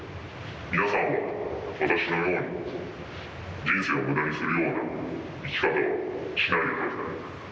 皆さんは、私のように人生をむだにするような生き方をしないでください。